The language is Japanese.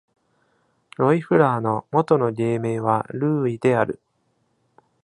ロイフラーの元の芸名はルーイである。